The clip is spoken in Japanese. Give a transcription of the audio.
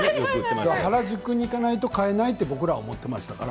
原宿に行かないと買えないと僕ら思ってましたから。